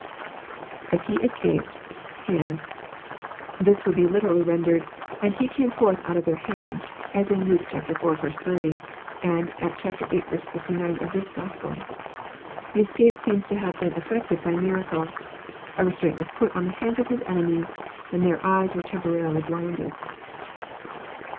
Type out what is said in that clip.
{ IBut he escaped. ..hand."] This would be literally rendered, "And He came forth out of their hand," as in Luke iv. 30; and at viii. 59 of this Gospel. The escape seems to have been effected by miracle. A restraint was put on the hands of His enemies, and their eyes were temporarily blinded.